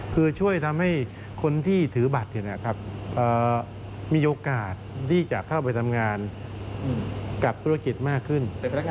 คือช่วยทำให้คนที่ถือบัตรมีโอกาสที่จะเข้าไปทำงานกับธุรกิจมากขึ้น